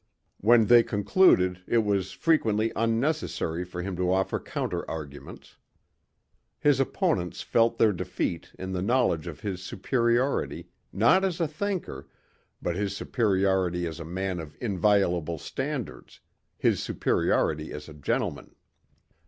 When they concluded, it was frequently unnecessary for him to offer counter arguments. His opponents felt their defeat in the knowledge of his superiority, not as a thinker, but his superiority as a man of inviolable standards, his superiority as a gentleman.